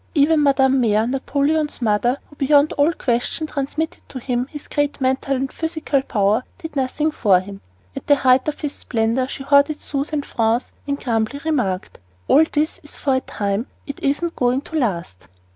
Even Mme. Mere, Napoleon's mother, who beyond all question transmitted to him his great mental and physical power, did nothing for him. At the height of his splendor she hoarded sous and francs and grumblingly remarked: "All this is for a time. It isn't going to last!"